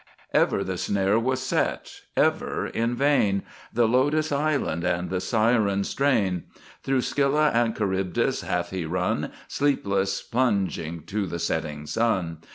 Ever the snare was set, ever in vain The Lotus Island and the Siren strain; Through Scylla and Charybdis hath he run, Sleeplessly plunging to the setting sun.